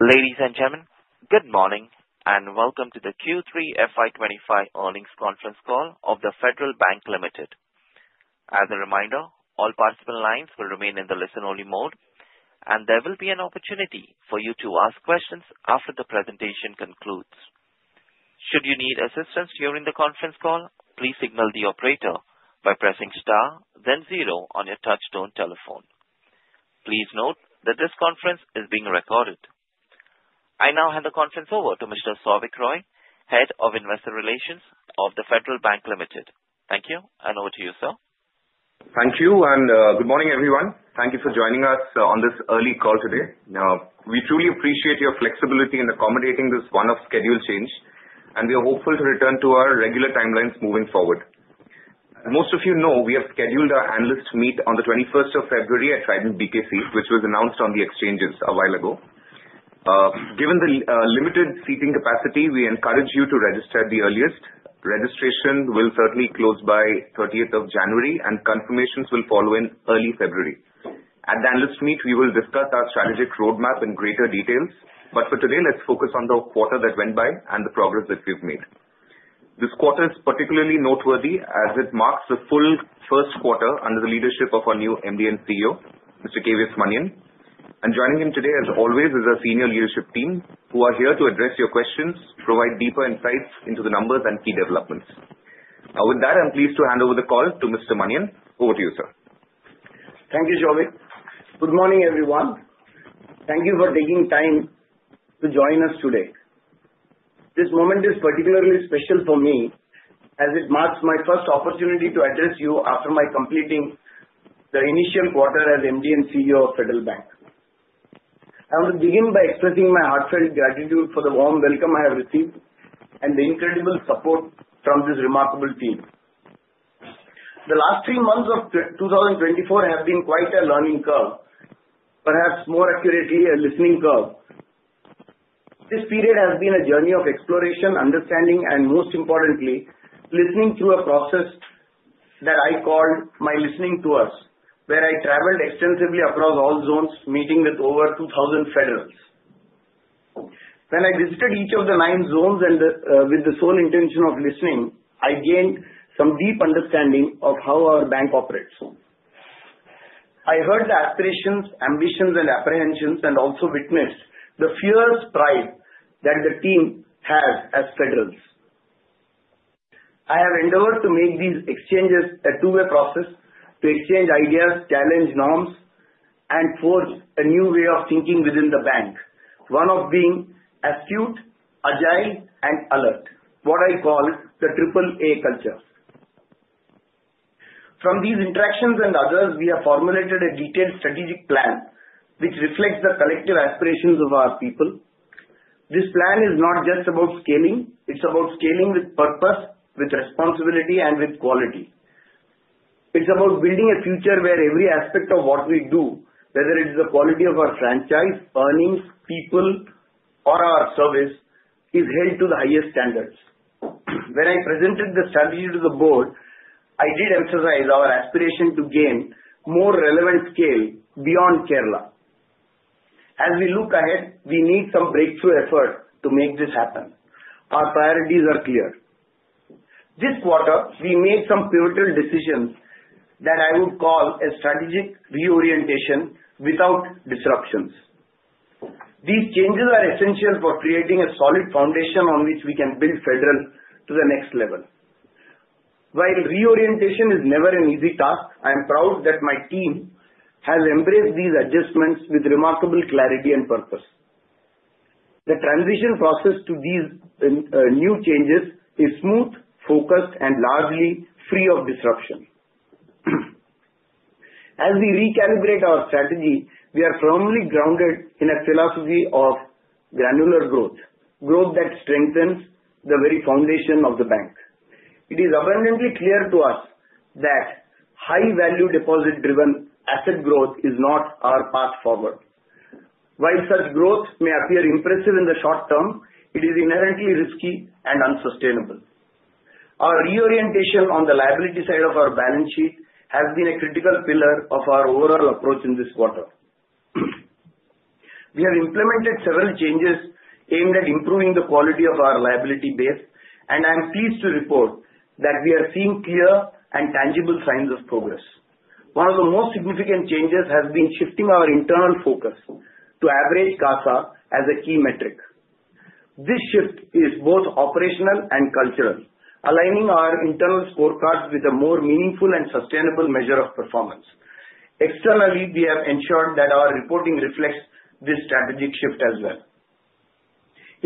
Ladies and gentlemen, good morning and welcome to the Q3 FY25 earnings conference call of the Federal Bank Limited. As a reminder, all participant lines will remain in the listen-only mode, and there will be an opportunity for you to ask questions after the presentation concludes. Should you need assistance during the conference call, please signal the operator by pressing star, then zero on your touch-tone telephone. Please note that this conference is being recorded. I now hand the conference over to Mr. Souvik Roy, Head of Investor Relations of the Federal Bank Limited. Thank you, and over to you, sir. Thank you, and good morning, everyone. Thank you for joining us on this early call today. We truly appreciate your flexibility in accommodating this one-off schedule change, and we are hopeful to return to our regular timelines moving forward. Most of you know we have scheduled our analyst meet on the 21st of February at Trident BKC, which was announced on the exchanges a while ago. Given the limited seating capacity, we encourage you to register at the earliest. Registration will certainly close by the 30th of January, and confirmations will follow in early February. At the analyst meet, we will discuss our strategic roadmap in greater detail, but for today, let's focus on the quarter that went by and the progress that we've made. This quarter is particularly noteworthy as it marks the full first quarter under the leadership of our new MD and CEO, Mr. K.V.S. Manian. And joining him today, as always, is our senior leadership team who are here to address your questions, provide deeper insights into the numbers and key developments. With that, I'm pleased to hand over the call to Mr. Manian. Over to you, sir. Thank you, Souvik. Good morning, everyone. Thank you for taking time to join us today. This moment is particularly special for me as it marks my first opportunity to address you after my completing the initial quarter as MD and CEO of the Federal Bank. I want to begin by expressing my heartfelt gratitude for the warm welcome I have received and the incredible support from this remarkable team. The last three months of 2024 have been quite a learning curve, perhaps more accurately, a listening curve. This period has been a journey of exploration, understanding, and most importantly, listening through a process that I called my listening tours, where I traveled extensively across all zones, meeting with over 2,000 Federals. When I visited each of the nine zones with the sole intention of listening, I gained some deep understanding of how our bank operates. I heard the aspirations, ambitions, and apprehensions, and also witnessed the fierce pride that the team has as Federals. I have endeavored to make these exchanges a two-way process to exchange ideas, challenge norms, and forge a new way of thinking within the bank, one of being astute, agile, and alert, what I call the Triple A culture. From these interactions and others, we have formulated a detailed strategic plan which reflects the collective aspirations of our people. This plan is not just about scaling. It's about scaling with purpose, with responsibility, and with quality. It's about building a future where every aspect of what we do, whether it is the quality of our franchise, earnings, people, or our service, is held to the highest standards. When I presented the strategy to the board, I did emphasize our aspiration to gain more relevant scale beyond Kerala. As we look ahead, we need some breakthrough effort to make this happen. Our priorities are clear. This quarter, we made some pivotal decisions that I would call a strategic reorientation without disruptions. These changes are essential for creating a solid foundation on which we can build Federal to the next level. While reorientation is never an easy task, I am proud that my team has embraced these adjustments with remarkable clarity and purpose. The transition process to these new changes is smooth, focused, and largely free of disruption. As we recalibrate our strategy, we are firmly grounded in a philosophy of granular growth, growth that strengthens the very foundation of the bank. It is abundantly clear to us that high-value deposit-driven asset growth is not our path forward. While such growth may appear impressive in the short term, it is inherently risky and unsustainable. Our reorientation on the liability side of our balance sheet has been a critical pillar of our overall approach in this quarter. We have implemented several changes aimed at improving the quality of our liability base, and I am pleased to report that we are seeing clear and tangible signs of progress. One of the most significant changes has been shifting our internal focus to average CASA as a key metric. This shift is both operational and cultural, aligning our internal scorecards with a more meaningful and sustainable measure of performance. Externally, we have ensured that our reporting reflects this strategic shift as well.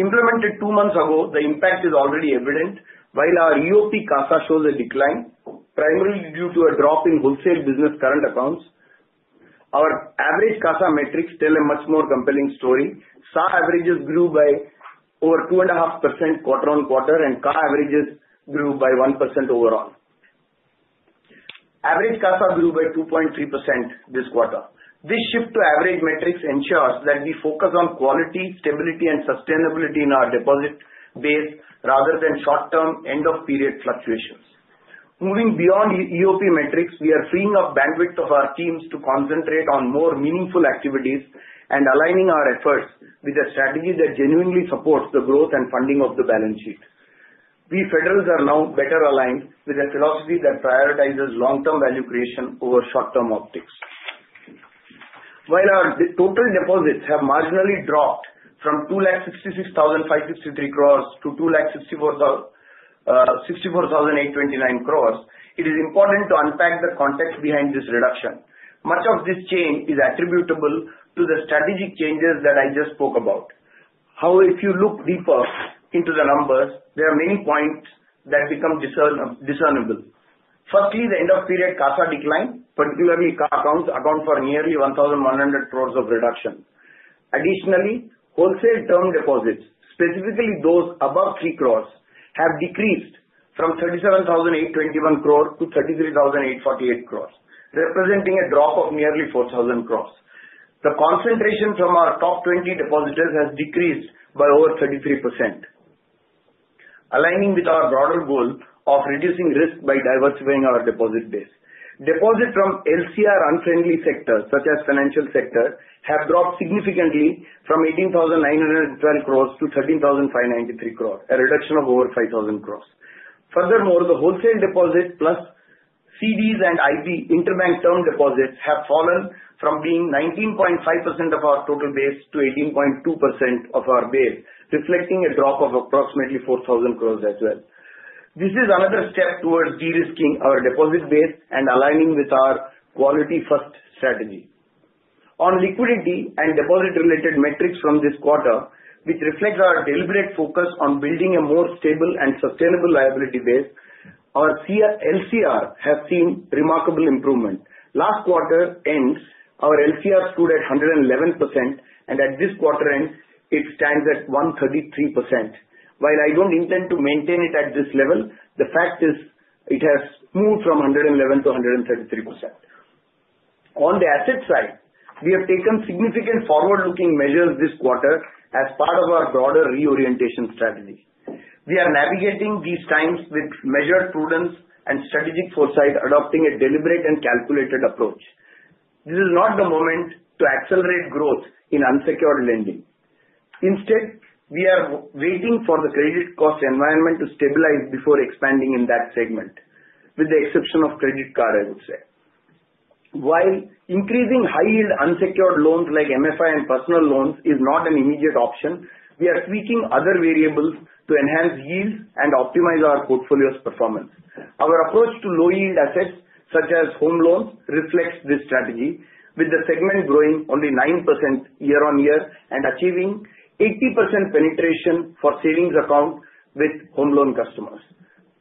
Implemented two months ago, the impact is already evident, while our EOP CASA shows a decline, primarily due to a drop in wholesale business current accounts. Our average CASA metrics tell a much more compelling story. SA averages grew by over 2.5% quarter on quarter, and CA averages grew by 1% overall. Average CASA grew by 2.3% this quarter. This shift to average metrics ensures that we focus on quality, stability, and sustainability in our deposit base rather than short-term end-of-period fluctuations. Moving beyond EOP metrics, we are freeing up bandwidth of our teams to concentrate on more meaningful activities and aligning our efforts with a strategy that genuinely supports the growth and funding of the balance sheet. We Federals are now better aligned with a philosophy that prioritizes long-term value creation over short-term optics. While our total deposits have marginally dropped from 266,563 crores to 264,829 crores, it is important to unpack the context behind this reduction. Much of this change is attributable to the strategic changes that I just spoke about. However, if you look deeper into the numbers, there are many points that become discernible. Firstly, the end-of-period CASA decline, particularly CA accounts, account for nearly 1,100 crores of reduction. Additionally, wholesale term deposits, specifically those above 3 crores, have decreased from 37,821 crores to 33,848 crores, representing a drop of nearly 4,000 crores. The concentration from our top 20 depositors has decreased by over 33%, aligning with our broader goal of reducing risk by diversifying our deposit base. Deposits from LCR-unfriendly sectors, such as the financial sector, have dropped significantly from 18,912 crores to 13,593 crores, a reduction of over 5,000 crores. Furthermore, the wholesale deposits plus CDs and IB interbank term deposits have fallen from being 19.5% of our total base to 18.2% of our base, reflecting a drop of approximately 4,000 crores as well. This is another step towards de-risking our deposit base and aligning with our quality-first strategy. On liquidity and deposit-related metrics from this quarter, which reflects our deliberate focus on building a more stable and sustainable liability base, our LCR has seen remarkable improvement. Last quarter end, our LCR stood at 111%, and at this quarter end, it stands at 133%. While I don't intend to maintain it at this level, the fact is it has moved from 111% to 133%. On the asset side, we have taken significant forward-looking measures this quarter as part of our broader reorientation strategy. We are navigating these times with measured prudence and strategic foresight, adopting a deliberate and calculated approach. This is not the moment to accelerate growth in unsecured lending. Instead, we are waiting for the credit cost environment to stabilize before expanding in that segment, with the exception of credit cards, I would say. While increasing high-yield unsecured loans like MFI and personal loans is not an immediate option, we are tweaking other variables to enhance yields and optimize our portfolio's performance. Our approach to low-yield assets, such as home loans, reflects this strategy, with the segment growing only 9% year-on-year and achieving 80% penetration for savings accounts with home loan customers.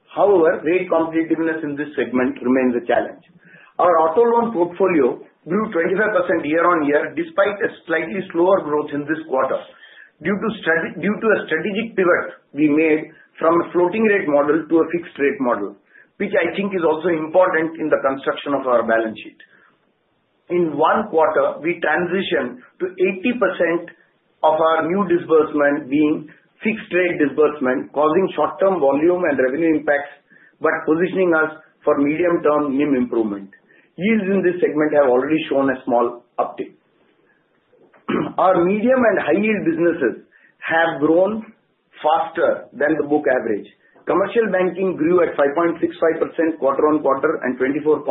However, rate competitiveness in this segment remains a challenge. Our auto loan portfolio grew 25% year-on-year despite a slightly slower growth in this quarter due to a strategic pivot we made from a floating-rate model to a fixed-rate model, which I think is also important in the construction of our balance sheet. In one quarter, we transitioned to 80% of our new disbursement being fixed-rate disbursement, causing short-term volume and revenue impacts but positioning us for medium-term NIM improvement. Yields in this segment have already shown a small uptick. Our medium and high-yield businesses have grown faster than the book average. Commercial banking grew at 5.65% quarter on quarter and 24.5%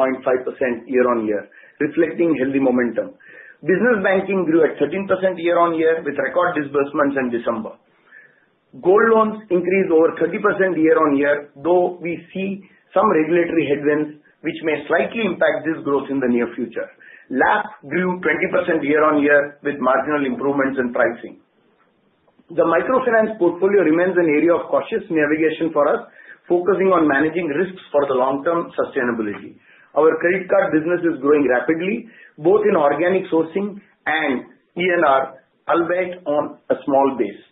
year-on-year, reflecting healthy momentum. Business banking grew at 13% year-on-year with record disbursements in December. Gold loans increased over 30% year-on-year, though we see some regulatory headwinds which may slightly impact this growth in the near future. LAP grew 20% year-on-year with marginal improvements in pricing. The microfinance portfolio remains an area of cautious navigation for us, focusing on managing risks for the long-term sustainability. Our credit card business is growing rapidly, both in organic sourcing and ENR, all built on a small base.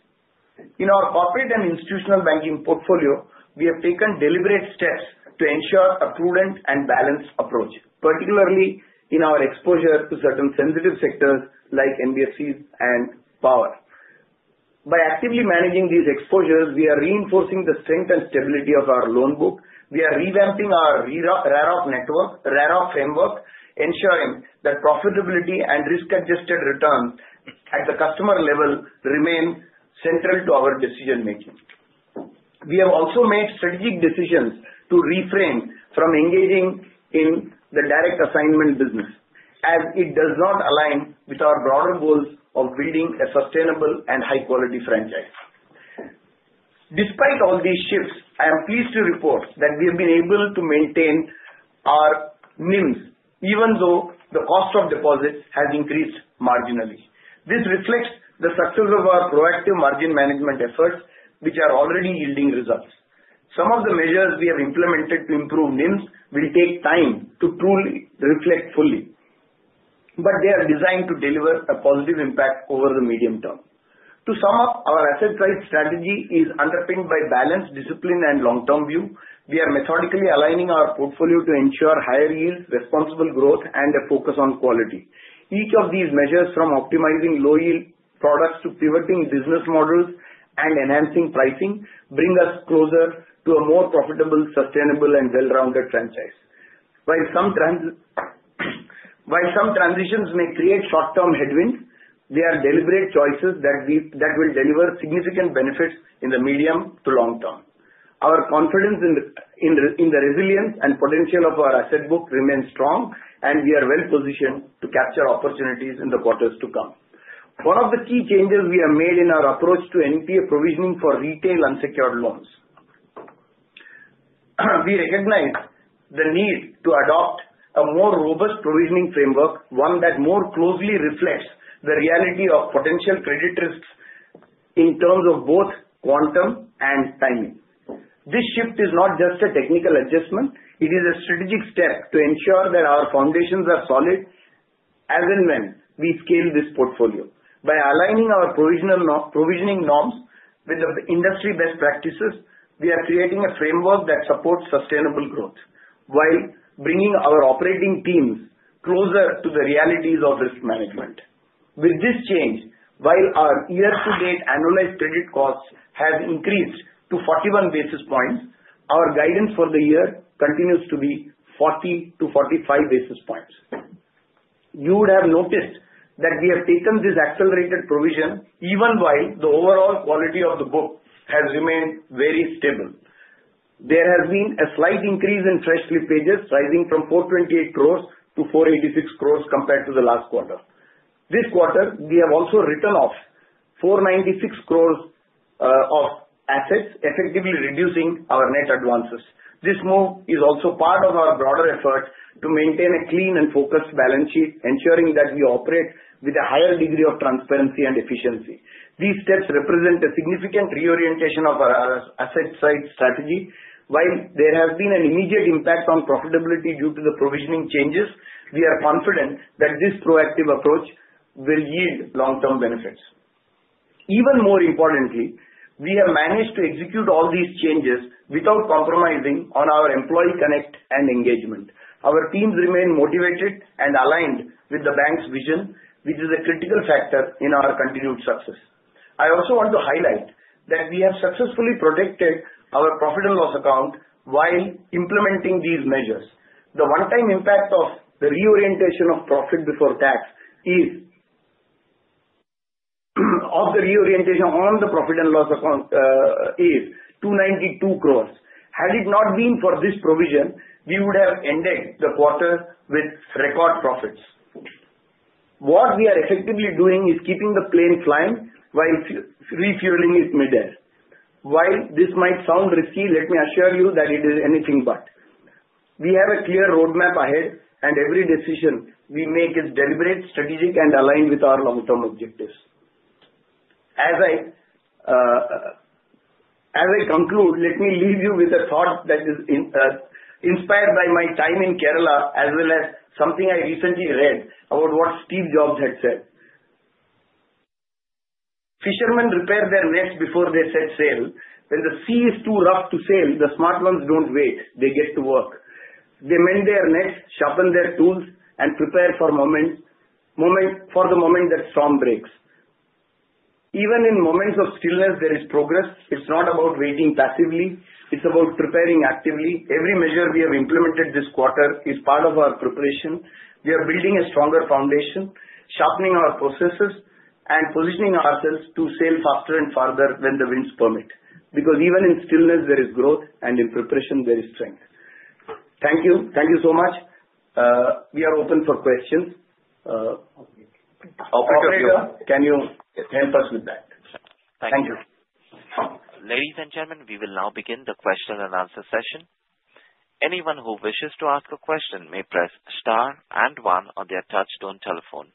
In our corporate and institutional banking portfolio, we have taken deliberate steps to ensure a prudent and balanced approach, particularly in our exposure to certain sensitive sectors like NBFCs and power. By actively managing these exposures, we are reinforcing the strength and stability of our loan book. We are revamping our RAROC framework, ensuring that profitability and risk-adjusted returns at the customer level remain central to our decision-making. We have also made strategic decisions to refrain from engaging in the direct assignment business, as it does not align with our broader goals of building a sustainable and high-quality franchise. Despite all these shifts, I am pleased to report that we have been able to maintain our NIMs, even though the cost of deposits has increased marginally. This reflects the success of our proactive margin management efforts, which are already yielding results. Some of the measures we have implemented to improve NIMs will take time to truly reflect fully, but they are designed to deliver a positive impact over the medium term. To sum up, our asset-based strategy is underpinned by balance, discipline, and long-term view. We are methodically aligning our portfolio to ensure higher yields, responsible growth, and a focus on quality. Each of these measures, from optimizing low-yield products to pivoting business models and enhancing pricing, bring us closer to a more profitable, sustainable, and well-rounded franchise. While some transitions may create short-term headwinds, they are deliberate choices that will deliver significant benefits in the medium to long term. Our confidence in the resilience and potential of our asset book remains strong, and we are well-positioned to capture opportunities in the quarters to come. One of the key changes we have made in our approach to NPA provisioning for retail unsecured loans. We recognize the need to adopt a more robust provisioning framework, one that more closely reflects the reality of potential credit risks in terms of both quantum and timing. This shift is not just a technical adjustment. It is a strategic step to ensure that our foundations are solid as and when we scale this portfolio. By aligning our provisioning norms with the industry best practices, we are creating a framework that supports sustainable growth while bringing our operating teams closer to the realities of risk management. With this change, while our year-to-date annualized credit cost has increased to 41 basis points, our guidance for the year continues to be 40 to 45 basis points. You would have noticed that we have taken this accelerated provision even while the overall quality of the book has remained very stable. There has been a slight increase in fresh slippages, rising from 428 crores to 486 crores compared to the last quarter. This quarter, we have also written off 496 crores of assets, effectively reducing our net advances. This move is also part of our broader effort to maintain a clean and focused balance sheet, ensuring that we operate with a higher degree of transparency and efficiency. These steps represent a significant reorientation of our asset-side strategy. While there has been an immediate impact on profitability due to the provisioning changes, we are confident that this proactive approach will yield long-term benefits. Even more importantly, we have managed to execute all these changes without compromising on our employee connect and engagement. Our teams remain motivated and aligned with the bank's vision, which is a critical factor in our continued success. I also want to highlight that we have successfully protected our profit and loss account while implementing these measures. The one-time impact of the reorientation of profit before tax on the profit and loss account is 292 crores. Had it not been for this provision, we would have ended the quarter with record profits. What we are effectively doing is keeping the plane flying while refueling it mid-air. While this might sound risky, let me assure you that it is anything but. We have a clear roadmap ahead, and every decision we make is deliberate, strategic, and aligned with our long-term objectives. As I conclude, let me leave you with a thought that is inspired by my time in Kerala, as well as something I recently read about what Steve Jobs had said. "Fishermen repair their nets before they set sail. When the sea is too rough to sail, the smart ones don't wait; they get to work. They mend their nets, sharpen their tools, and prepare for the moment that storm breaks. Even in moments of stillness, there is progress. It's not about waiting passively; it's about preparing actively. Every measure we have implemented this quarter is part of our preparation. We are building a stronger foundation, sharpening our processes, and positioning ourselves to sail faster and farther when the winds permit. Because even in stillness, there is growth, and in preparation, there is strength." Thank you. Thank you so much. We are open for questions. Operator, can you help us with that? Thank you. Ladies and gentlemen, we will now begin the question and answer session. Anyone who wishes to ask a question may press star and one on their touch-tone telephone.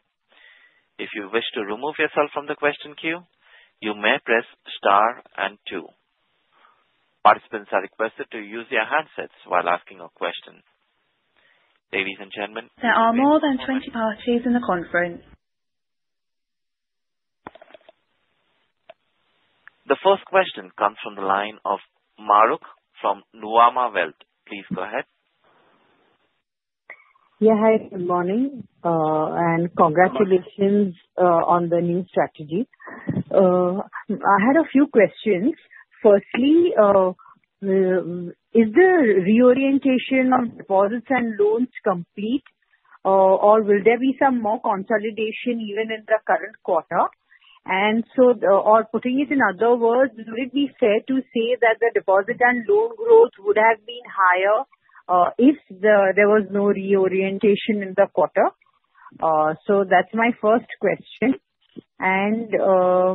If you wish to remove yourself from the question queue, you may press star and two. Participants are requested to use their handsets while asking a question. Ladies and gentlemen, there are more than 20 parties in the conference. The first question comes from the line of Mahrukh Adajania from Nuvama Wealth. Please go ahead. Yeah, hi. Good morning, and congratulations on the new strategy. I had a few questions. Firstly, is the reorientation of deposits and loans complete, or will there be some more consolidation even in the current quarter? Or putting it in other words, would it be fair to say that the deposit and loan growth would have been higher if there was no reorientation in the quarter? So that's my first question. And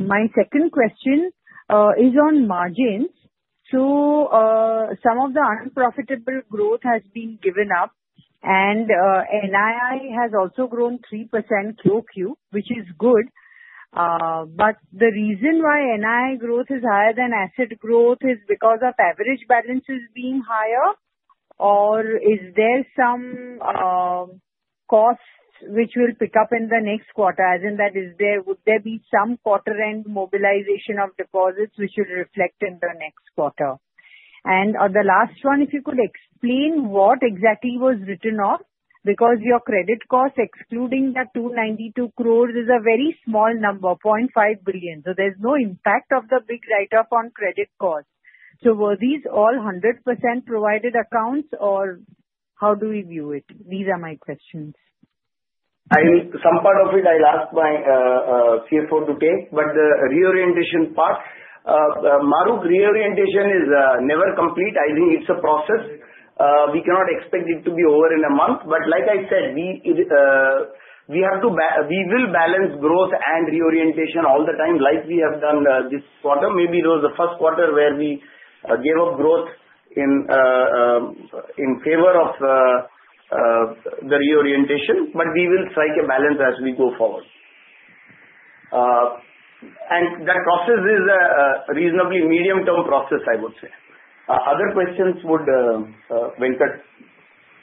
my second question is on margins. So some of the unprofitable growth has been given up, and NII has also grown 3% QOQ, which is good. But the reason why NII growth is higher than asset growth is because of average balances being higher, or is there some cost which will pick up in the next quarter? As in that, would there be some quarter-end mobilization of deposits which will reflect in the next quarter? And on the last one, if you could explain what exactly was written off, because your credit cost, excluding that 292 crores, is a very small number, 0.5 billion. There's no impact of the big write-off on credit cost. So were these all 100% provided accounts, or how do we view it? These are my questions. I think some part of it I'll ask my CFO to take, but the reorientation part, Mahrukh, reorientation is never complete. I think it's a process. We cannot expect it to be over in a month. But like I said, we will balance growth and reorientation all the time like we have done this quarter. Maybe it was the first quarter where we gave up growth in favor of the reorientation, but we will strike a balance as we go forward. And that process is a reasonably medium-term process, I would say. Other questions, would Venkat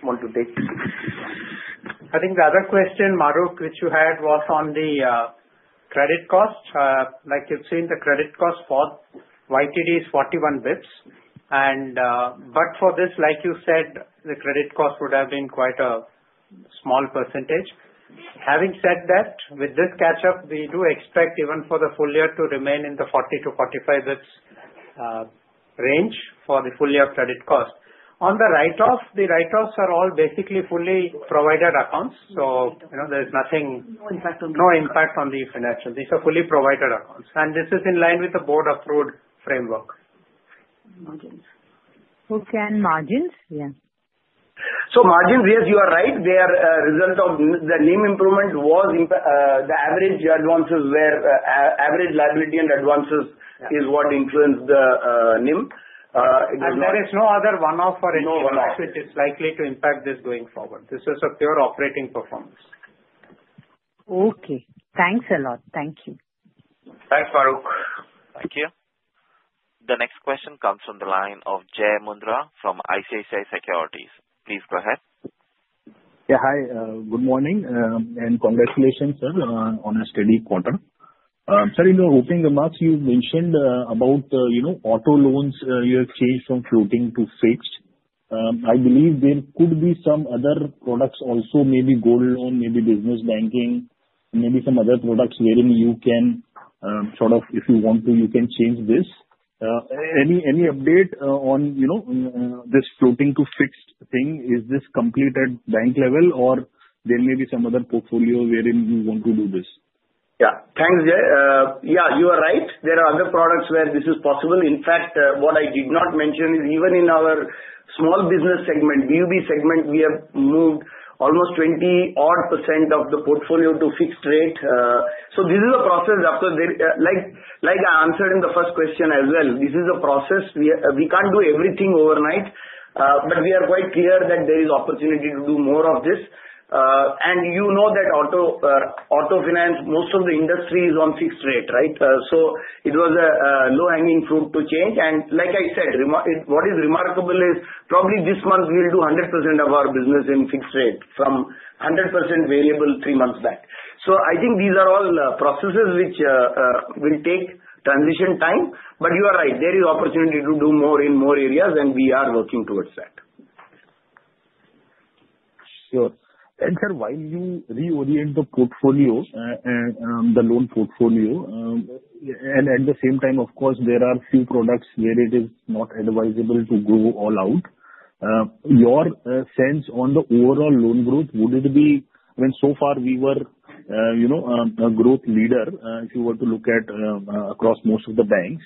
want to take? I think the other question, Mahrukh, which you had was on the credit cost. Like you've seen, the credit cost for YTD is 41 basis points. But for this, like you said, the credit cost would have been quite a small percentage. Having said that, with this catch-up, we do expect even for the full year to remain in the 40 to 45 basis points range for the full year credit cost. On the write-off, the write-offs are all basically fully provided accounts, so there's nothing, no impact on the financial. These are fully provided accounts, and this is in line with the board-approved framework. Margins? Who can margins? Yeah. So margins, yes, you are right. They are a result of the NIM improvement. The average advances were average liability and advances is what influenced the NIM. And there is no other one-off or anything else which is likely to impact this going forward. This is a pure operating performance. Okay. Thanks a lot. Thank you. Thanks, Mahrukh. Thank you. The next question comes from the line of Jai Mundhra from ICICI Securities. Please go ahead. Yeah, hi. Good morning and congratulations, sir, on a steady quarter. Sir, in your opening remarks, you mentioned about auto loans. You have changed from floating to fixed. I believe there could be some other products also, maybe gold loan, maybe business banking, maybe some other products wherein you can sort of, if you want to, you can change this. Any update on this floating to fixed thing? Is this complete at bank level, or there may be some other portfolio wherein you want to do this? Yeah. Thanks, Jai. Yeah, you are right. There are other products where this is possible. In fact, what I did not mention is even in our small business segment, B2B segment, we have moved almost 20-odd% of the portfolio to fixed rate. So this is a process. Like I answered in the first question as well, this is a process. We can't do everything overnight, but we are quite clear that there is opportunity to do more of this. And you know that auto finance, most of the industry is on fixed rate, right? So it was a low-hanging fruit to change. And like I said, what is remarkable is probably this month we'll do 100% of our business in fixed rate from 100% variable three months back. So I think these are all processes which will take transition time. But you are right. There is opportunity to do more in more areas, and we are working towards that. Sure. And sir, while you reorient the portfolio, the loan portfolio, and at the same time, of course, there are a few products where it is not advisable to go all out. Your sense on the overall loan growth: would it be, when so far we were a growth leader, if you were to look across most of the banks,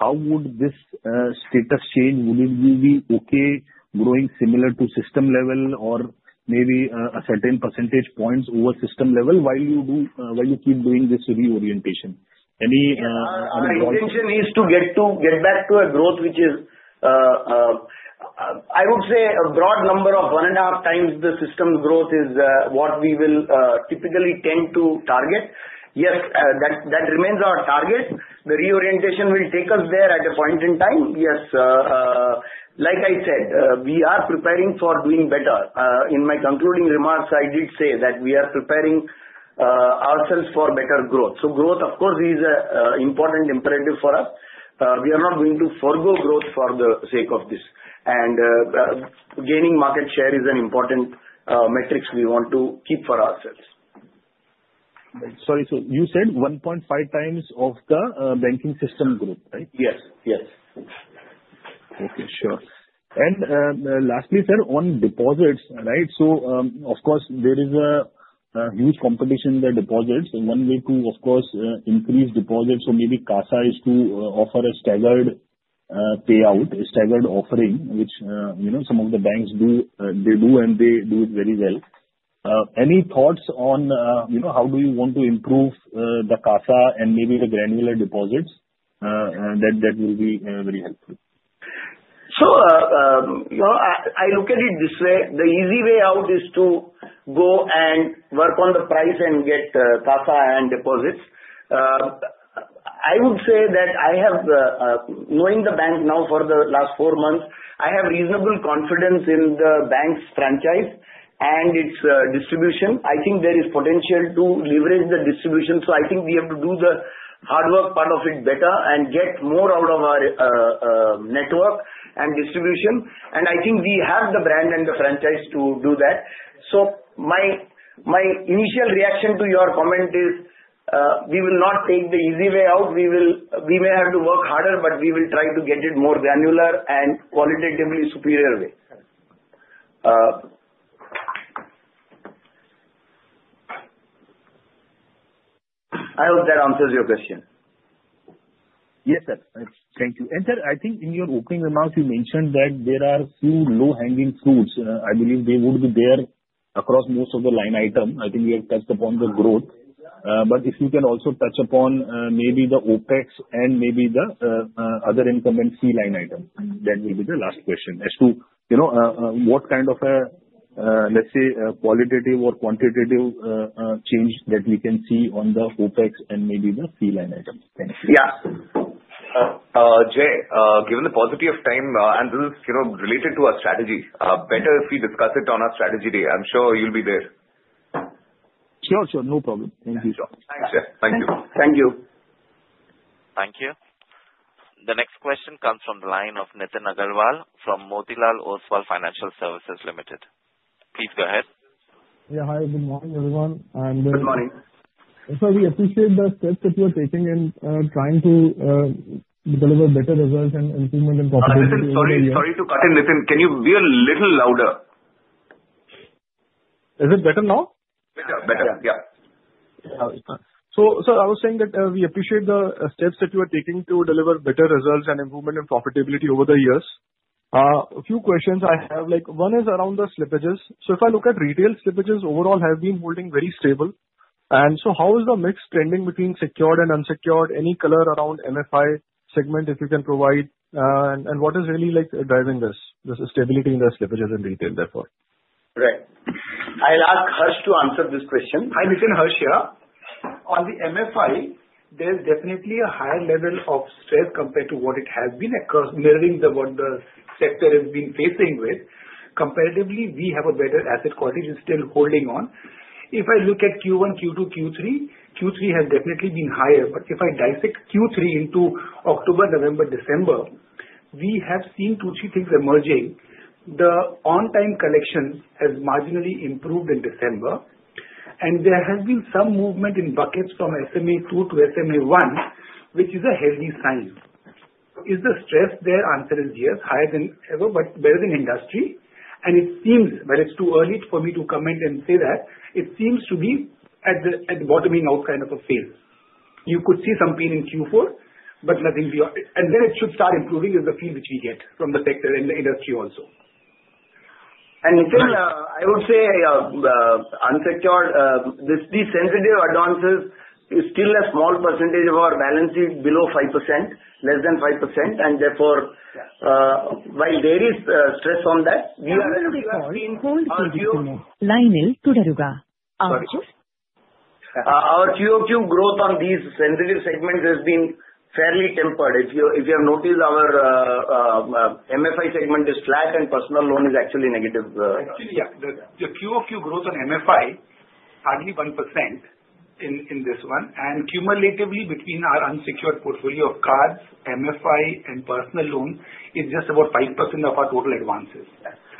how would this status change? Would it be okay growing similar to system level or maybe a certain percentage points over system level while you keep doing this reorientation? Any other thoughts? Our intention is to get back to a growth which is, I would say, a broad number of one and a half times the system growth is what we will typically tend to target. Yes, that remains our target. The reorientation will take us there at a point in time. Yes. Like I said, we are preparing for doing better. In my concluding remarks, I did say that we are preparing ourselves for better growth. So growth, of course, is an important imperative for us. We are not going to forgo growth for the sake of this, and gaining market share is an important metric we want to keep for ourselves. Sorry, sir. You said 1.5 times of the banking system growth, right? Yes. Yes. Okay, sure, and lastly, sir, on deposits, right? So, of course, there is a huge competition in the deposits. One way to, of course, increase deposits, so maybe CASA is to offer a staggered payout, a staggered offering, which some of the banks do, and they do it very well. Any thoughts on how do you want to improve the CASA and maybe the granular deposits? That will be very helpful, So I look at it this way. The easy way out is to go and work on the price and get CASA and deposits. I would say that I have, knowing the bank now for the last four months, I have reasonable confidence in the bank's franchise and its distribution. I think there is potential to leverage the distribution. So I think we have to do the hard work part of it better and get more out of our network and distribution. And I think we have the brand and the franchise to do that. So my initial reaction to your comment is we will not take the easy way out. We may have to work harder, but we will try to get it more granular and qualitatively superior way. I hope that answers your question. Yes, sir. Thank you. And sir, I think in your opening remarks, you mentioned that there are a few low-hanging fruits. I believe they would be there across most of the line items. I think we have touched upon the growth, but if you can also touch upon maybe the OpEx and maybe the other income fee line items, that will be the last question as to what kind of a, let's say, qualitative or quantitative change that we can see on the OpEx and maybe the fee line items. Thank you. Yeah. Jai, given the paucity of time, and this is related to our strategy, better if we discuss it on our strategy day. I'm sure you'll be there. Sure. Sure. No problem. Thank you. Sure. Thanks, Jai. Thank you. Thank you. Thank you. The next question comes from the line of Nitin Aggarwal from Motilal Oswal Financial Services Limited. Please go ahead. Yeah. Hi. Good morning, everyone, and good morning. Sir, we appreciate the steps that you are taking in trying to deliver better results and improvement in profitability. Sorry to cut in, Nitin. Can you be a little louder? Is it better now? Better. Yeah. So I was saying that we appreciate the steps that you are taking to deliver better results and improvement in profitability over the years. A few questions I have. One is around the slippages. So if I look at retail slippages, overall have been holding very stable. And so how is the mix trending between secured and unsecured? Any color around MFI segment, if you can provide? And what is really driving this stability in the slippages in retail therefore? Right. I'll ask Harsh to answer this question. Hi, Nitin. Harsh here. On the MFI, there's definitely a higher level of stress compared to what it has been across, mirroring what the sector has been facing with. Comparatively, we have a better asset quality and still holding on. If I look at Q1, Q2, Q3, Q3 has definitely been higher, but if I dissect Q3 into October, November, December, we have seen two, three things emerging. The on-time collection has marginally improved in December, and there has been some movement in buckets from SMA 2 to SMA 1, which is a healthy sign. Is the stress there? Answer is yes, higher than ever, but better than industry, and it seems, but it's too early for me to comment and say that, it seems to be at the bottoming out kind of a phase. You could see some pain in Q4, but nothing beyond, and then it should start improving in the fee which we get from the sector and the industry also, and Nitin, I would say unsecured, these sensitive advances is still a small percentage of our balance sheet below 5%, less than 5%. Therefore, while there is stress on that, we are going to be maintaining QoQ line. Our QoQ growth on these sensitive segments has been fairly tempered. If you have noticed, our MFI segment is flat, and personal loan is actually negative. Actually, Yeah. The QoQ growth on MFI, hardly 1% in this one. And cumulatively, between our unsecured portfolio of cards, MFI, and personal loan, it's just about 5% of our total advances.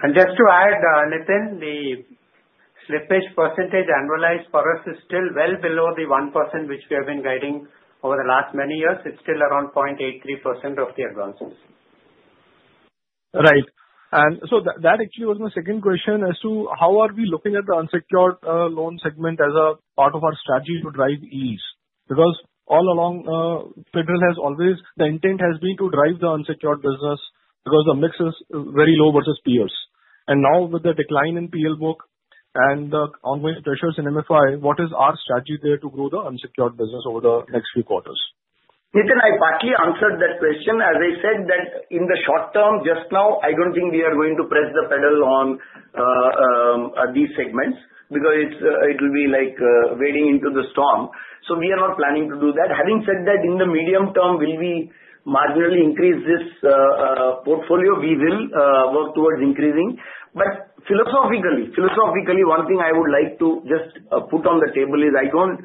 And just to add, Nitin, the slippage percentage annualized for us is still well below the 1% which we have been guiding over the last many years. It's still around 0.83% of the advances. Right. And so that actually was my second question as to how are we looking at the unsecured loan segment as a part of our strategy to drive ease? Because all along, Federal has always the intent has been to drive the unsecured business because the mix is very low versus peers. And now with the decline in PL book and the ongoing pressures in MFI, what is our strategy there to grow the unsecured business over the next few quarters? Nitin, I partly answered that question. As I said, that in the short term, just now, I don't think we are going to press the pedal on these segments because it will be like wading into the storm. So we are not planning to do that. Having said that, in the medium term, will we marginally increase this portfolio. We will work towards increasing. Philosophically, one thing I would like to just put on the table is I don't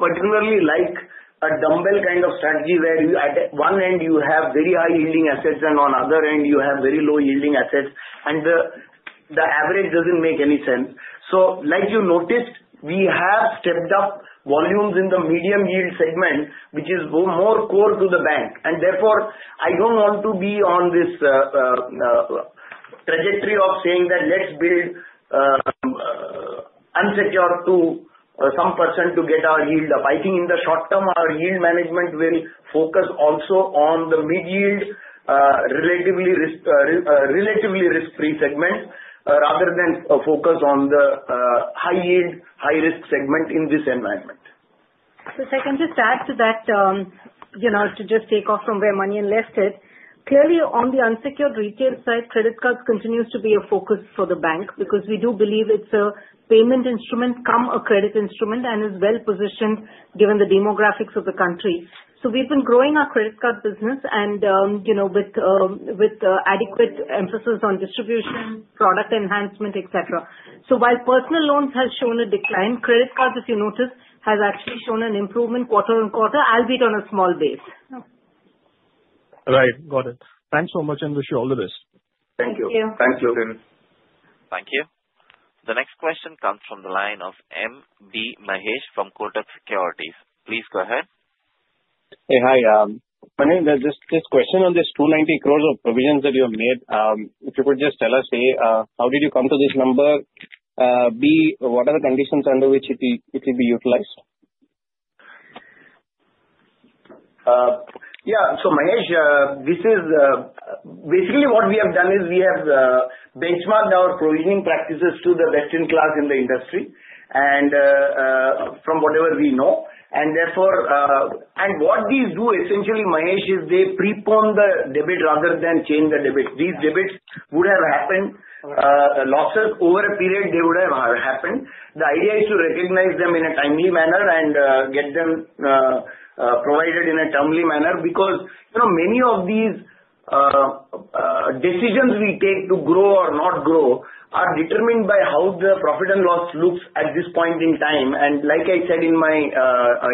particularly like a dumbbell kind of strategy where at one end you have very high-yielding assets and on the other end you have very low-yielding assets, and the average doesn't make any sense. Like you noticed, we have stepped up volumes in the medium-yield segment, which is more core to the bank. Therefore, I don't want to be on this trajectory of saying that let's build unsecured to some % to get our yield up. I think in the short term, our yield management will focus also on the mid-yield, relatively risk-free segment, rather than focus on the high-yield, high-risk segment in this environment. So if I can just add to that, to just take off from where Manian left it, clearly on the unsecured retail side, credit cards continues to be a focus for the bank because we do believe it's a payment instrument, a credit instrument, and is well positioned given the demographics of the country. So we've been growing our credit card business and with adequate emphasis on distribution, product enhancement, etc. So while personal loans have shown a decline, credit cards, if you notice, have actually shown an improvement quarter on quarter, albeit on a small base. Right. Got it. Thanks so much, and wish you all the best. Thank you. Thank you. Thank you. Thank you. The next question comes from the line of M.B. Mahesh from Kotak Securities. Please go ahead. Hey, hi. Manian, just this question on this 290 crores of provisions that you have made, if you could just tell us, A, how did you come to this number? B, what are the conditions under which it will be utilized? Yeah. So Mahesh, this is basically what we have done is we have benchmarked our provisioning practices to the best in class in the industry and from whatever we know. And what these do, essentially, Mahesh, is they prepone the debit rather than chain the debit. These debits would have happened losses over a period; they would have happened. The idea is to recognize them in a timely manner and get them provided in a timely manner because many of these decisions we take to grow or not grow are determined by how the profit and loss looks at this point in time. Like I said in my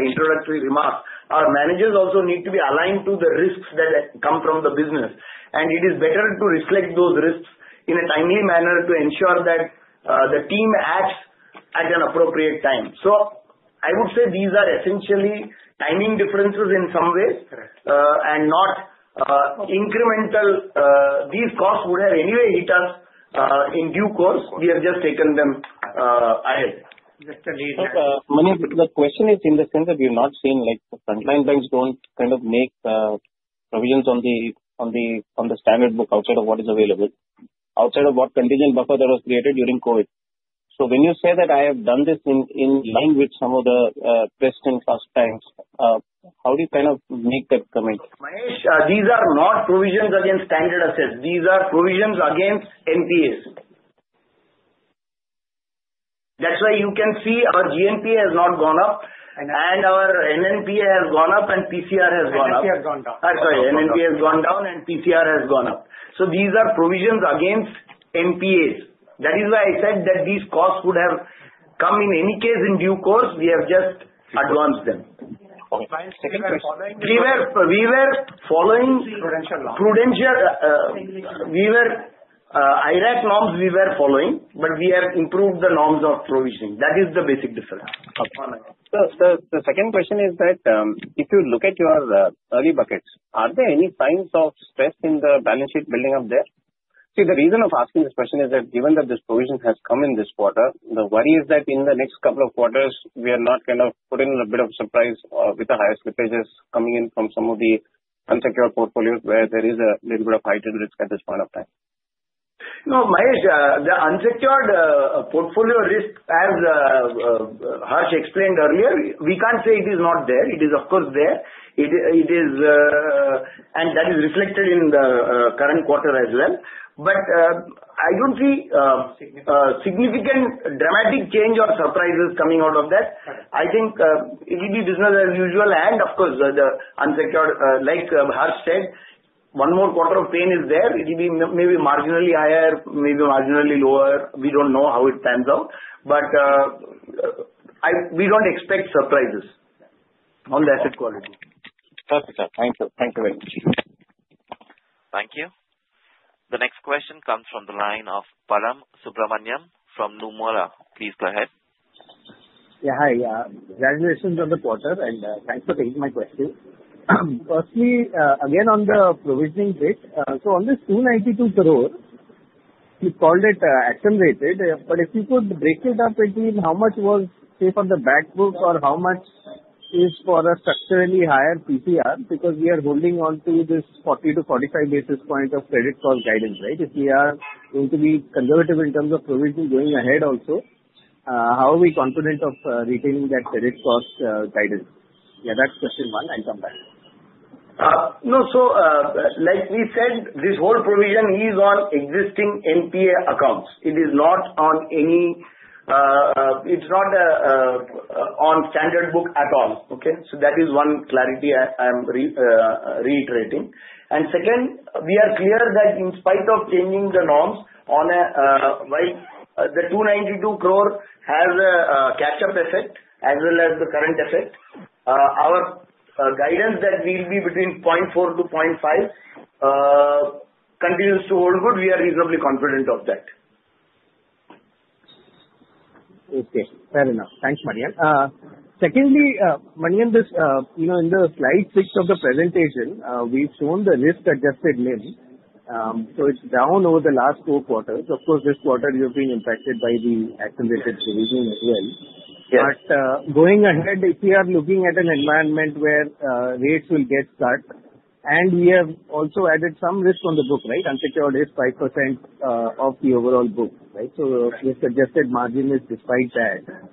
introductory remark, our managers also need to be aligned to the risks that come from the business. It is better to reflect those risks in a timely manner to ensure that the team acts at an appropriate time. I would say these are essentially timing differences in some ways and not incremental. These costs would have anyway hit us in due course. We have just taken them ahead. Just to leave that. Manian, the question is in the sense that we have not seen the frontline banks don't kind of make provisions on the standard book outside of what is available, outside of what contingent buffer that was created during COVID. When you say that I have done this in line with some of the best-in-class banks, how do you kind of make that comment? Mahesh, these are not provisions against standard assets. These are provisions against NPAs. That's why you can see our GNPA has not gone up, and our NNPA has gone up, and PCR has gone up. NNPA has gone down. I'm sorry. NNPA has gone down, and PCR has gone up. So these are provisions against NPAs. That is why I said that these costs would have come in any case in due course. We have just advanced them. We were following prudential IRAC norms. We were following, but we have improved the norms of provisioning. That is the basic difference. The second question is that if you look at your early buckets, are there any signs of stress in the balance sheet building up there? See, the reason of asking this question is that given that this provision has come in this quarter, the worry is that in the next couple of quarters, we are not kind of put in a bit of surprise with the higher slippages coming in from some of the unsecured portfolios where there is a little bit of heightened risk at this point of time. No, Mahesh, the unsecured portfolio risk, as Harsh explained earlier, we can't say it is not there. It is, of course, there. And that is reflected in the current quarter as well. But I don't see significant dramatic change or surprises coming out of that. I think it will be business as usual. And of course, the unsecured, like Harsh said, one more quarter of pain is there. It will be maybe marginally higher, maybe marginally lower. We don't know how it pans out. But we don't expect surprises on the asset quality. Perfect. Thank you. Thank you very much. Thank you. The next question comes from the line of Param Subramanian from Nomura. Please go ahead. Yeah. Hi. Congratulations on the quarter, and thanks for taking my question. Firstly, again on the provisioning bit, so on this 292 crore, you called it accelerated. But if you could break it up into how much was set aside on the back book or how much is for a structurally higher PCR because we are holding on to this 40-45 basis point of credit cost guidance, right? If we are going to be conservative in terms of provision going ahead also, how are we confident of retaining that credit cost guidance? Yeah, that's question one. I'll come back. No, so like we said, this whole provision is on existing NPA accounts. It is not on any. It's not on standard book at all. Okay? So that is one clarity I'm reiterating. And second, we are clear that in spite of changing the norms, while the 292 crore has a catch-up effect as well as the current effect, our guidance that will be between 0.4% to 0.5% continues to hold good. We are reasonably confident of that. Okay. Fair enough. Thanks, Manian. Secondly, Manian, in Slide 6 of the presentation, we've shown the risk-adjusted return. So it's down over the last four quarters. Of course, this quarter you've been impacted by the accelerated provision as well. But going ahead, if we are looking at an environment where rates will get cut, and we have also added some risk on the book, right? Unsecured is 5% of the overall book, right? So the suggested margin is despite that.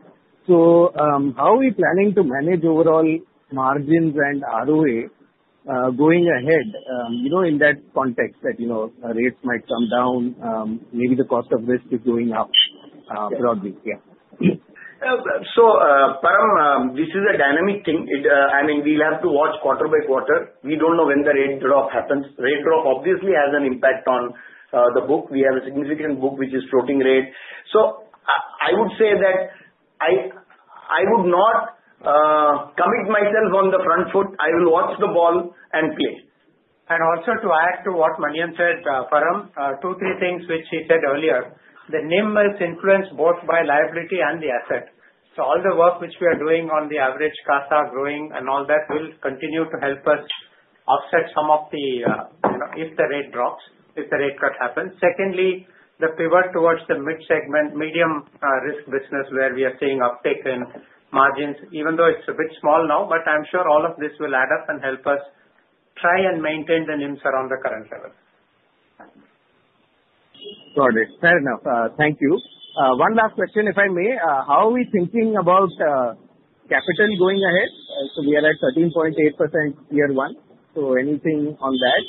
So how are we planning to manage overall margins and ROA going ahead in that context that rates might come down, maybe the cost of risk is going up broadly? Yeah. So Param, this is a dynamic thing. I mean, we'll have to watch quarter by quarter. We don't know when the rate drop happens. Rate drop obviously has an impact on the book. We have a significant book which is floating rate. So I would say that I would not commit myself on the front foot. I will watch the ball and play. And also to add to what Manian said, Param, two, three things which he said earlier. The NIM is influenced both by liability and the asset. So all the work which we are doing on the average CASA growing and all that will continue to help us offset some of the if the rate drops, if the rate cut happens. Secondly, the pivot towards the mid-segment, medium-risk business where we are seeing uptake in margins, even though it's a bit small now, but I'm sure all of this will add up and help us try and maintain the NIMs around the current level. Got it. Fair enough. Thank you. One last question, if I may. How are we thinking about capital going ahead? So we are at 13.8% Tier 1. So anything on that?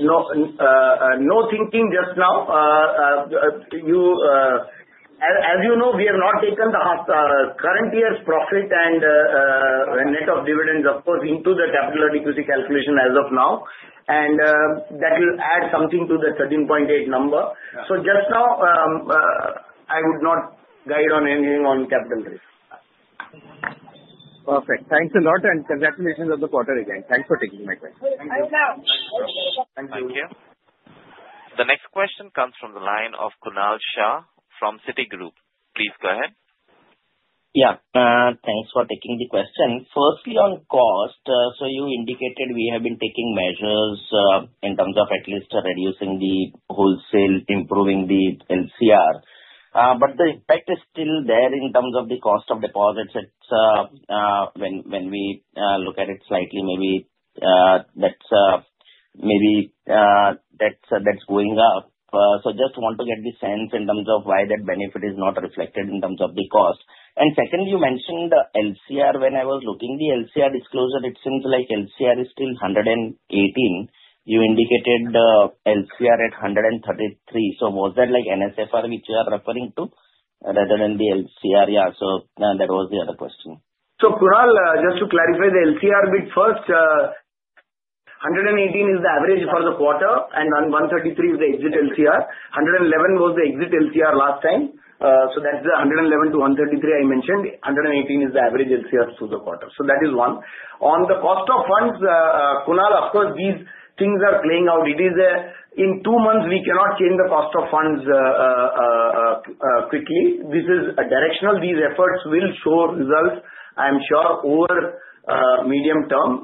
No thinking just now. As you know, we have not taken the current year's profit and net of dividends, of course, into the capital adequacy calculation as of now. And that will add something to the 13.8 number. So just now, I would not guide on anything on capital risk. Perfect. Thanks a lot, and congratulations on the quarter again. Thanks for taking my question. Thank you. Thank you. The next question comes from the line of Kunal Shah from Citigroup. Please go ahead. Yeah. Thanks for taking the question. Firstly, on cost, so you indicated we have been taking measures in terms of at least reducing the wholesale, improving the LCR. But the impact is still there in terms of the cost of deposits. When we look at it slightly, maybe that's going up. So just want to get the sense in terms of why that benefit is not reflected in terms of the cost. And secondly, you mentioned LCR. When I was looking at the LCR disclosure, it seems like LCR is still 118. You indicated LCR at 133. So was that like NSFR which you are referring to rather than the LCR? Yeah. So that was the other question. So Kunal, just to clarify the LCR bit first, 118 is the average for the quarter, and 133 is the exit LCR. 111 was the exit LCR last time. So that's the 111 to 133 I mentioned. 118 is the average LCR through the quarter. So that is one. On the cost of funds, Kunal, of course, these things are playing out. It is in two months we cannot change the cost of funds quickly. This is directional. These efforts will show results, I'm sure, over medium term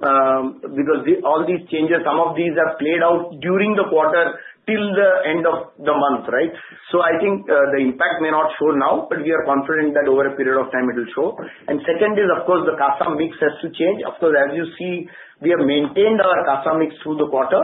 because all these changes, some of these have played out during the quarter till the end of the month, right? So I think the impact may not show now, but we are confident that over a period of time it will show. And second is, of course, the CASA mix has to change. Of course, as you see, we have maintained our CASA mix through the quarter.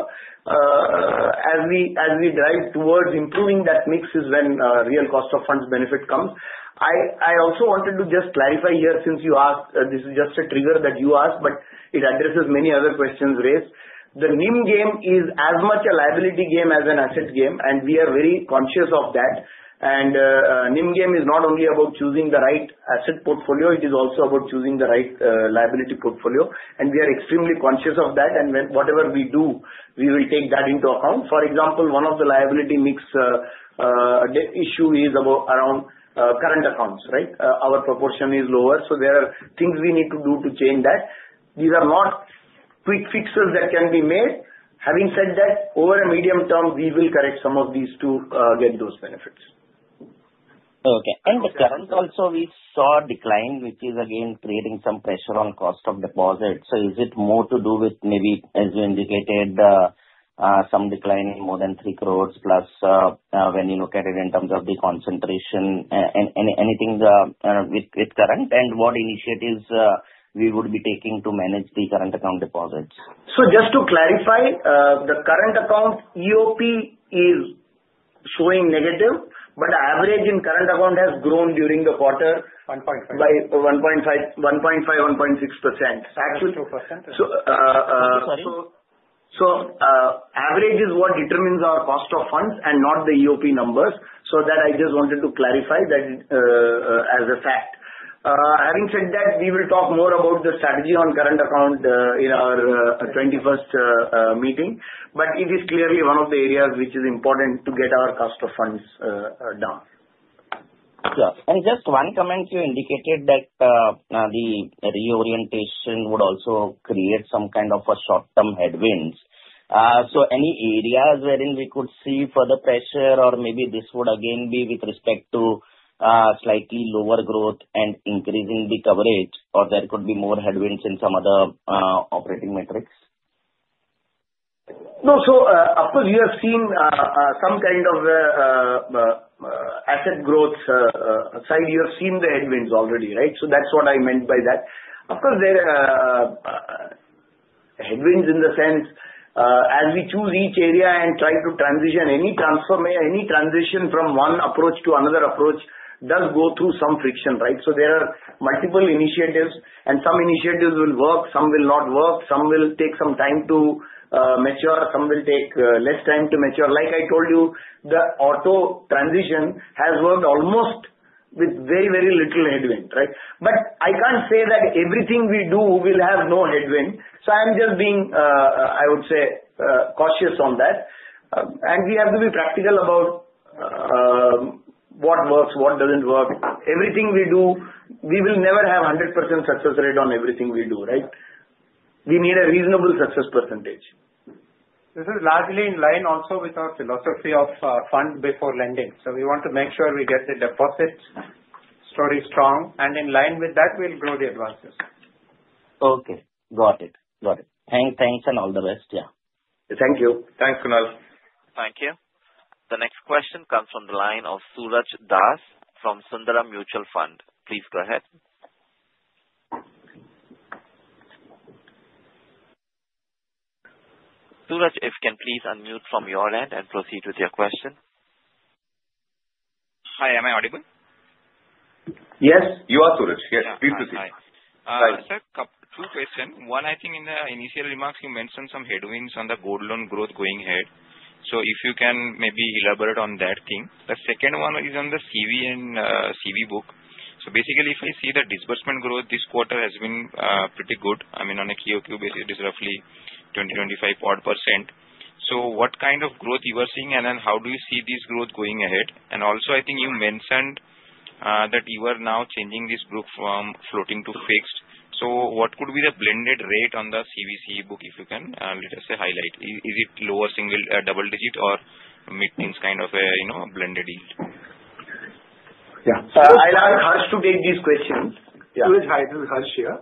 As we drive towards improving that mix is when real cost of funds benefit comes. I also wanted to just clarify here since you asked, this is just a trigger that you asked, but it addresses many other questions raised. The NIM game is as much a liability game as an asset game, and we are very conscious of that. And NIM game is not only about choosing the right asset portfolio, it is also about choosing the right liability portfolio. And we are extremely conscious of that, and whatever we do, we will take that into account. For example, one of the liability mix issues is around current accounts, right? Our proportion is lower, so there are things we need to do to change that. These are not quick fixes that can be made. Having said that, over a medium term, we will correct some of these to get those benefits. Okay. And the current also we saw decline, which is again creating some pressure on cost of deposits. So is it more to do with maybe, as you indicated, some decline in more than 3 crores plus when you look at it in terms of the concentration? Anything with current and what initiatives we would be taking to manage the current account deposits? So just to clarify, the current account EOP is showing negative, but average in current account has grown during the quarter by 1.5%-1.6%. Actually, so average is what determines our cost of funds and not the EOP numbers, so that I just wanted to clarify that as a fact. Having said that, we will talk more about the strategy on current account in our 21st meeting, but it is clearly one of the areas which is important to get our cost of funds down. Yeah and just one comment, you indicated that the reorientation would also create some kind of short-term headwinds, so any areas wherein we could see further pressure or maybe this would again be with respect to slightly lower growth and increasing the coverage, or there could be more headwinds in some other operating metrics? No, so of course, you have seen some kind of asset growth side. You have seen the headwinds already, right, so that's what I meant by that. Of course, headwinds in the sense as we choose each area and try to transition, any transition from one approach to another approach does go through some friction, right? So there are multiple initiatives, and some initiatives will work, some will not work, some will take some time to mature, some will take less time to mature. Like I told you, the auto transition has worked almost with very, very little headwind, right? But I can't say that everything we do will have no headwind. So I'm just being, I would say, cautious on that. And we have to be practical about what works, what doesn't work. Everything we do, we will never have 100% success rate on everything we do, right? We need a reasonable success percentage. This is largely in line also with our philosophy of fund before lending. So we want to make sure we get the deposit story strong, and in line with that, we'll grow the advances. Okay. Got it. Got it. Thanks and all the best. Yeah. Thank you. Thanks, Kunal. Thank you. The next question comes from the line of Suraj Das from Sundaram Mutual Fund. Please go ahead. Suraj, if you can please unmute from your end and proceed with your question. Hi. Am I audible? Yes. You are, Suraj. Yes. Please proceed. Hi. Sir, two questions. One, I think in the initial remarks, you mentioned some headwinds on the gold loan growth going ahead. So if you can maybe elaborate on that thing. The second one is on the CV and CE book. So basically, if we see the disbursement growth, this quarter has been pretty good. I mean, on a QQ basis, it is roughly 20-25% odd. So what kind of growth you are seeing, and then how do you see this growth going ahead? And also, I think you mentioned that you are now changing this book from floating to fixed. So what could be the blended rate on the CV/CE book, if you can let us highlight? Is it lower single double digit or mid things kind of a blended yield? Yeah. I'll ask Harsh to take these questions. Suraj, I'll do Harsh here.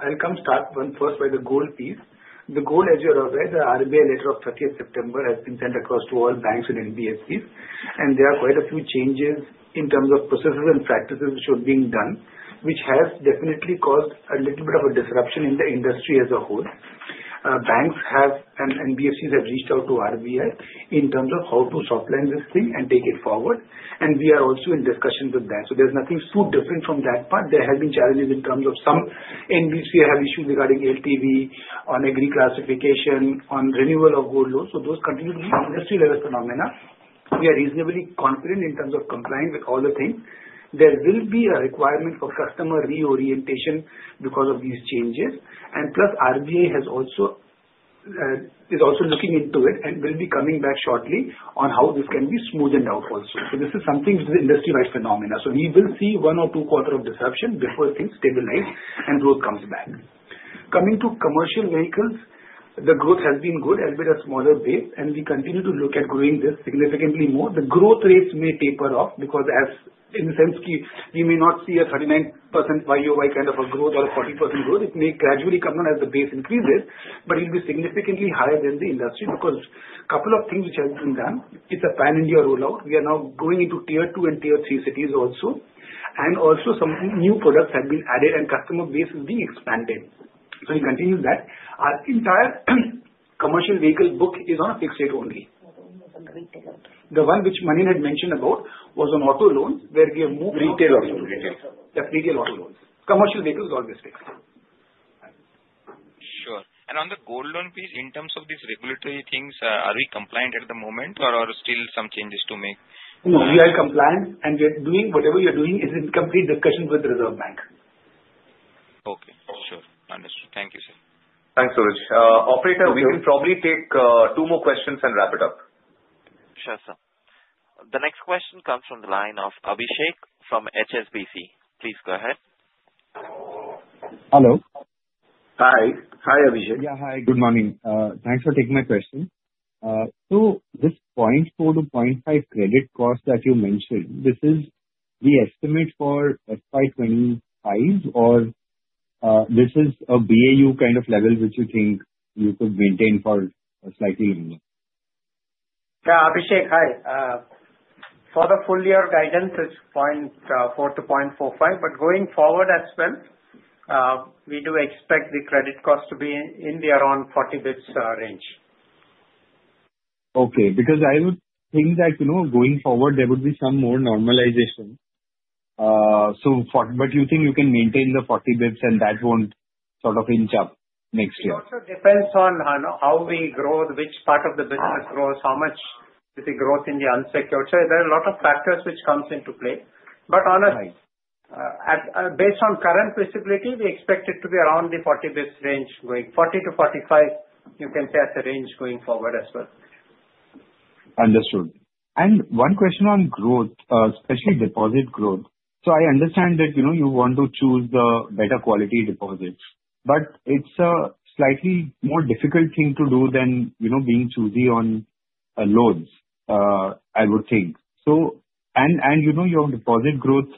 I'll come start first by the gold piece. The gold, as you are aware, the RBI letter of 30th September has been sent across to all banks and NBFCs. And there are quite a few changes in terms of processes and practices which are being done, which has definitely caused a little bit of a disruption in the industry as a whole. Banks have and NBFCs have reached out to RBI in terms of how to soft land this thing and take it forward. We are also in discussion with them. There's nothing too different from that part. There have been challenges in terms of some NBFCs have issues regarding LTV on IRAC classification on renewal of gold loans. Those continue to be industry-level phenomena. We are reasonably confident in terms of complying with all the things. There will be a requirement for customer reorientation because of these changes. Plus, RBI is also looking into it and will be coming back shortly on how this can be smoothened out also. This is something which is industry-wide phenomena. We will see one or two quarters of disruption before things stabilize and growth comes back. Coming to commercial vehicles, the growth has been good at a smaller base, and we continue to look at growing this significantly more. The growth rates may taper off because, in the sense we may not see a 39% YoY kind of a growth or a 40% growth. It may gradually come down as the base increases, but it will be significantly higher than the industry because a couple of things which have been done. It's a pan-India rollout. We are now going into tier two and tier three cities also. And also, some new products have been added and customer base is being expanded. So we continue that. Our entire commercial vehicle book is on a fixed rate only. The one which Manian had mentioned about was on auto loans where we have moved to retail auto loans. That's retail auto loans. Commercial vehicle is always fixed. Sure. On the gold loan piece, in terms of these regulatory things, are we compliant at the moment or are still some changes to make? No, we are compliant, and whatever we are doing is in complete discussion with the Reserve Bank. Okay. Sure. Understood. Thank you, sir. Thanks, Suraj. Operator, we can probably take two more questions and wrap it up. Sure, sir. The next question comes from the line of Abhishek from HSBC. Please go ahead. Hello. Hi. Hi, Abhishek. Yeah, hi. Good morning. Thanks for taking my question. So this 0.4%-0.5% credit cost that you mentioned, this is the estimate for FY25, or this is a BAU kind of level which you think you could maintain for slightly longer? Abhishek, hi. For the full year guidance, it's 0.4-0.45, but going forward as well, we do expect the credit cost to be in the around 40 bps range. Okay. Because I would think that going forward, there would be some more normalization. But you think you can maintain the 40 bps and that won't sort of inch up next year? It also depends on how we grow, which part of the business grows, how much is the growth in the unsecured. So there are a lot of factors which come into play. But based on current visibility, we expect it to be around the 40 bps range, going 40-45, you can say as a range going forward as well. Understood. And one question on growth, especially deposit growth. So I understand that you want to choose the better quality deposits, but it's a slightly more difficult thing to do than being choosy on loans, I would think. And your deposit growth,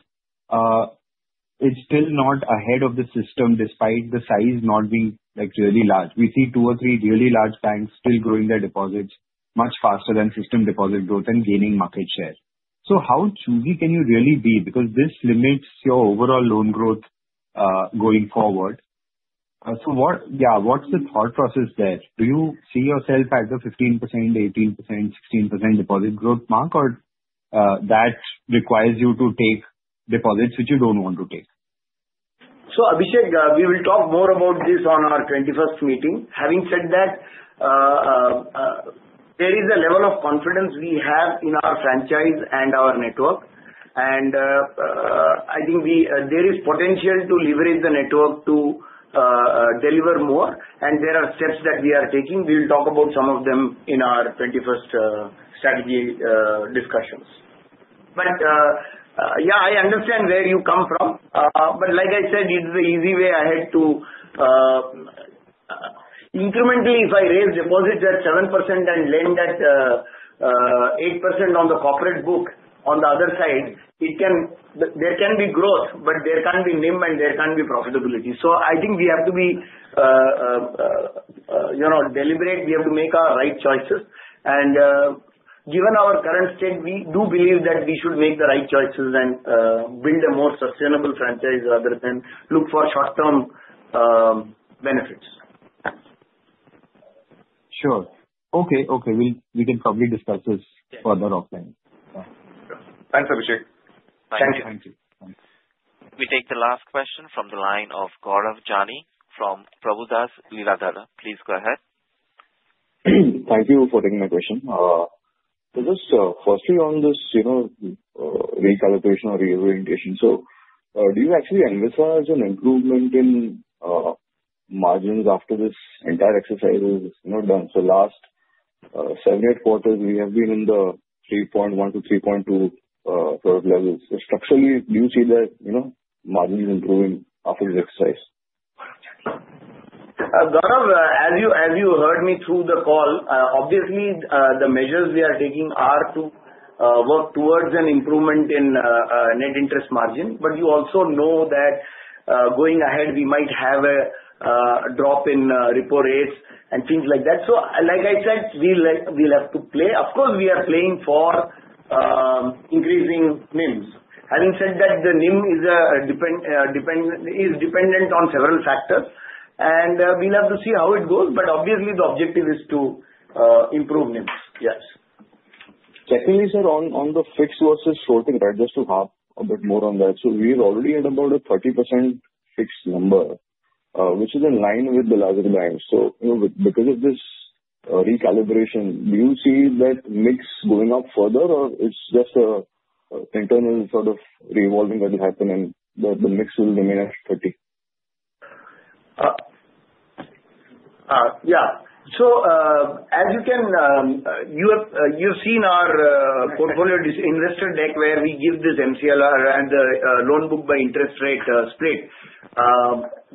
it's still not ahead of the system despite the size not being really large. We see two or three really large banks still growing their deposits much faster than system deposit growth and gaining market share. So how choosy can you really be? Because this limits your overall loan growth going forward. So yeah, what's the thought process there? Do you see yourself at the 15%, 18%, 16% deposit growth mark, or that requires you to take deposits which you don't want to take? So Abhishek, we will talk more about this on our 21st meeting. Having said that, there is a level of confidence we have in our franchise and our network. And I think there is potential to leverage the network to deliver more, and there are steps that we are taking. We will talk about some of them in our 21st strategy discussions. But yeah, I understand where you come from. But like I said, it's the easy way ahead to incrementally, if I raise deposits at 7% and lend at 8% on the corporate book, on the other side, there can be growth, but there can't be NIM and there can't be profitability. So I think we have to be deliberate. We have to make our right choices. And given our current state, we do believe that we should make the right choices and build a more sustainable franchise rather than look for short-term benefits. Sure. Okay. Okay. We can probably discuss this further offline. Thanks, Abhishek. Thank you. Thank you. We take the last question from the line of Gaurav Jani from Prabhudas Lilladher. Please go ahead. Thank you for taking my question. So just firstly on this recalculation or reorientation, so do you actually envisage an improvement in margins after this entire exercise is done? So last seven or eight quarters, we have been in the 3.1%-3.2% levels. Structurally, do you see that margins improving after this exercise? Gaurav, as you heard me through the call, obviously, the measures we are taking are to work towards an improvement in net interest margin. But you also know that going ahead, we might have a drop in repo rates and things like that. So like I said, we'll have to play. Of course, we are playing for increasing NIMs. Having said that, the NIM is dependent on several factors, and we'll have to see how it goes. But obviously, the objective is to improve NIMs. Yes. Secondly, sir, on the fixed versus floating, just to harp a bit more on that. So we're already at about a 30% fixed number, which is in line with the larger lines. So because of this recalibration, do you see that mix going up further, or it's just an internal sort of revolving that will happen and the mix will remain at 30? Yeah. So as you can, you've seen our portfolio investor deck where we give this MCLR and the loan book by interest rate split.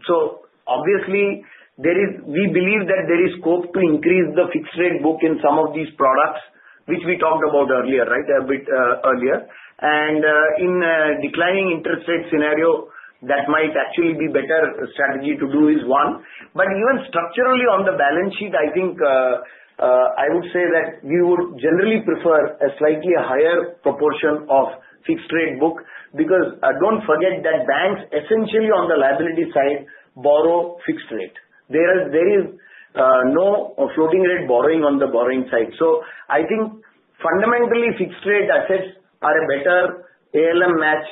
So obviously, we believe that there is scope to increase the fixed rate book in some of these products, which we talked about earlier, right, a bit earlier. And in a declining interest rate scenario, that might actually be a better strategy to do is one. But even structurally on the balance sheet, I think I would say that we would generally prefer a slightly higher proportion of fixed rate book because don't forget that banks essentially on the liability side borrow fixed rate. There is no floating rate borrowing on the borrowing side. So I think fundamentally, fixed rate assets are a better ALM match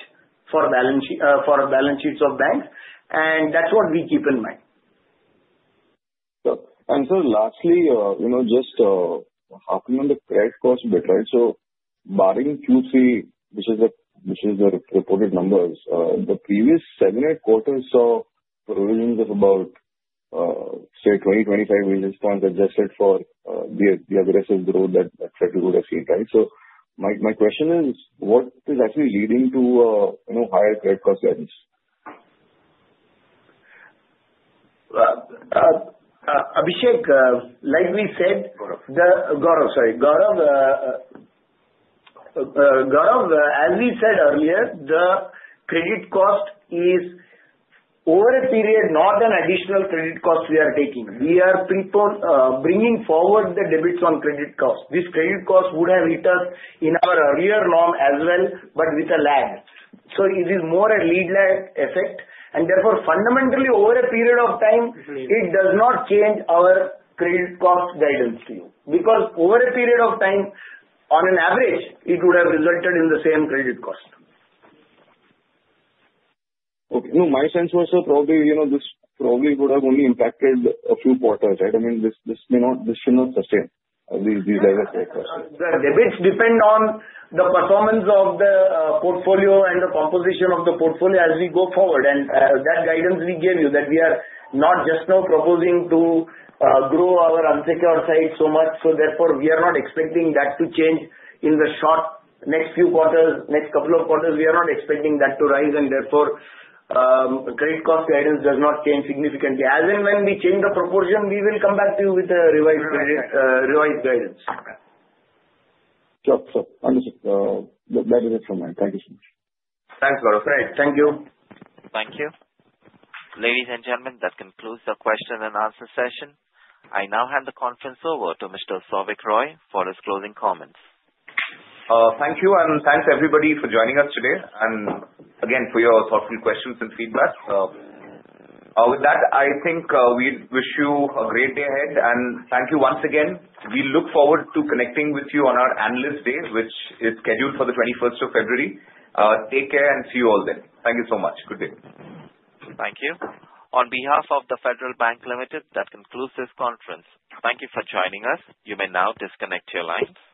for balance sheets of banks. And that's what we keep in mind. And sir, lastly, just harping on the credit cost bit, right? So barring Q3, which is the reported numbers, the previous seven or eight quarters saw provisions of about, say, 20, 25 basis points adjusted for the aggressive growth that you would have seen, right? So my question is, what is actually leading to higher credit cost levels? Abhishek, like we said, Gaurav, sorry. Gaurav, as we said earlier, the credit cost is over a period, not an additional credit cost we are taking. We are bringing forward the debits on credit cost. This credit cost would have hit us in our earlier loan as well, but with a lag. So it is more a lead lag effect. And therefore, fundamentally, over a period of time, it does not change our credit cost guidance to you because over a period of time, on an average, it would have resulted in the same credit cost. Okay. No, my sense was probably this probably would have only impacted a few quarters, right? I mean, this should not sustain these aggressive costs. The debits depend on the performance of the portfolio and the composition of the portfolio as we go forward. And that guidance we gave you that we are not just now proposing to grow our unsecured side so much. So therefore, we are not expecting that to change in the short next few quarters, next couple of quarters. We are not expecting that to rise. And therefore, credit cost guidance does not change significantly. As and when we change the proportion, we will come back to you with a revised guidance. Sure. Sure. Understood. That is it from me. Thank you so much. Thanks, Gaurav. All right. Thank you. Thank you. Ladies and gentlemen, that concludes the question and answer session. I now hand the conference over to Mr. Souvik Roy for his closing comments. Thank you. And thanks, everybody, for joining us today. And again, for your thoughtful questions and feedback. With that, I think we wish you a great day ahead. And thank you once again. We look forward to connecting with you on our analyst day, which is scheduled for the 21st of February. Take care and see you all then. Thank you so much. Good day. Thank you. On behalf of the Federal Bank Limited, that concludes this conference. Thank you for joining us. You may now disconnect your lines.